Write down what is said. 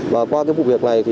và qua cái vụ việc này